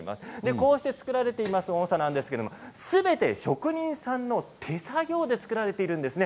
こうして作られている音さですがすべて職人さんの手作業で作られているんですね。